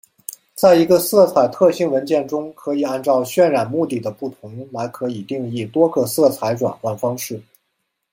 在一个色彩特性文件中可以按照渲染目的的不同来可以定义多个色彩转换方式。